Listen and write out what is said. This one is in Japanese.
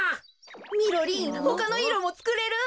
みろりんほかのいろもつくれる？